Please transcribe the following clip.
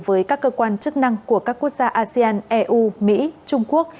với các cơ quan chức năng của các quốc gia asean eu mỹ trung quốc